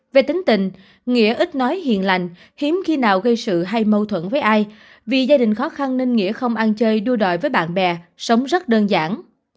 về tính tình nghĩa ít nói hiền lành hiếm khi nào gây sự hay mâu thuẫn với ai vì gia đình khó khăn nên nghĩa không ăn chơi đua đòi với bạn bè sống rất đơn giản